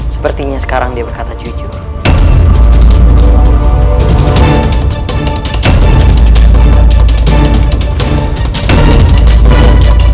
sepertinya sekarang dia berkata jujur